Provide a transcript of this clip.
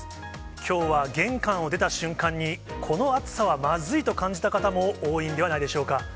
きょうは玄関を出た瞬間に、この暑さはまずいと感じた方も多いんではないでしょうか。